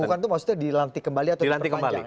bukan itu maksudnya dilantik kembali atau diperpanjang